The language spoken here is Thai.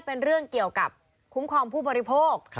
เป็นเรื่องเกี่ยวกับคุ้มครองผู้บริโภค